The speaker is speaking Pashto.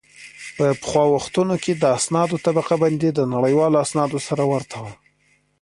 په پخوا وختونو کې د اسنادو طبقه بندي د نړیوالو اسنادو سره ورته وه